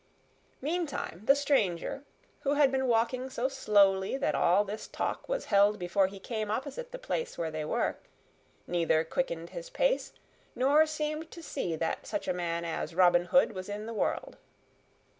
Meantime the stranger, who had been walking so slowly that all this talk was held before he came opposite the place where they were, neither quickened his pace nor seemed to see that such a man as Robin Hood was in the world.